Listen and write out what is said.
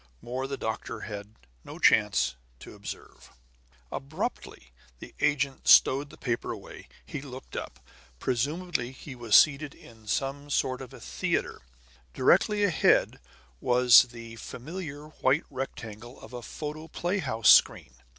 More the doctor had no chance to observe. Abruptly the agent stowed the paper away, and looked up. Presumably he was seated in some sort of a theater. Directly ahead was the familiar white rectangle of a photoplay house screen.